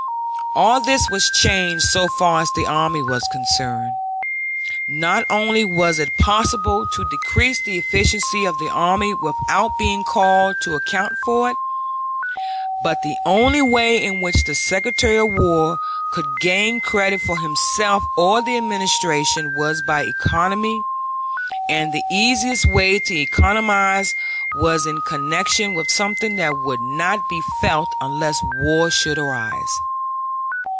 All this was changed so far as the army was concerned. Not only was it possible to decrease the efficiency of the army without being called to account for it, but the only way in which the Secretary of War could gain credit for himself or the Administration was by economy, and the easiest way to economize was in connection with something that would not be felt unless war should arise.